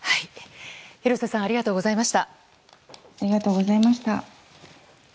廣瀬さんありがとうございました。